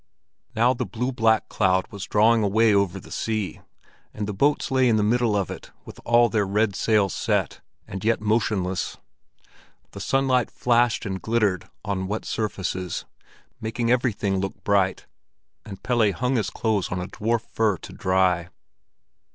Now the blue black cloud was drawing away over the sea, and the boats lay in the middle of it with all their red sails set, and yet motionless. The sunlight flashed and glittered on wet surfaces, making everything look bright; and Pelle hung his clothes on a dwarf fir to dry.